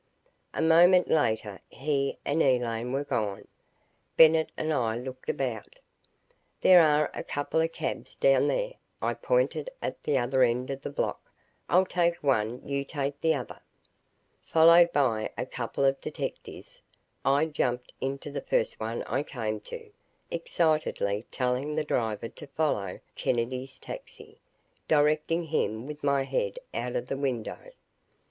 A moment later he and Elaine were gone. Bennett and I looked about. "There are a couple of cabs down there," I pointed out at the other end of the block. "I'll take one you take the other." Followed by a couple of the detectives, I jumped into the first one I came to, excitedly telling the driver to follow Kennedy's taxi, directing him with my head out of the window. "Mr.